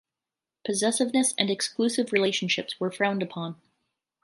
Possessiveness and exclusive relationships were frowned upon.